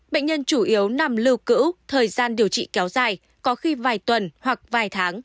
bệnh nhân chủ yếu nằm lưu cữu thời gian điều trị kéo dài có khi vài tuần hoặc vài tháng